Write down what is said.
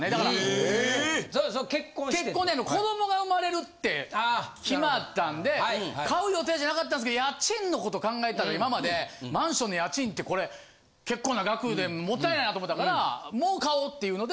結婚で子どもが生まれるって決まったんで買う予定じゃなかったんですけど家賃のこと考えたら今までマンションの家賃ってこれ結構な額で勿体ないなと思ったからもう買おうっていうので。